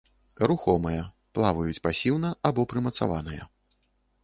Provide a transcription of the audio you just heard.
Рухомыя, плаваюць пасіўна або прымацаваныя.